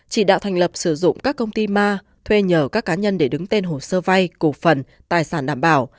chỉ đạo thành lập sử dụng các công ty ma thuê nhờ các cá nhân để đứng tên hồ sơ vay cổ phần tài sản đảm bảo